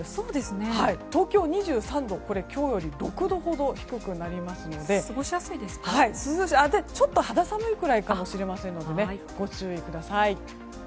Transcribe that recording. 東京、２３度今日より６度ほど低くなりますのでちょっと肌寒いくらいかもしれませんのでご注意ください。